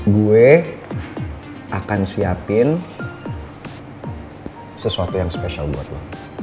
gue akan siapin sesuatu yang spesial buat gue